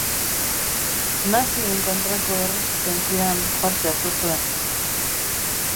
Nazien kontrako erresistentzian parte hartu zuen.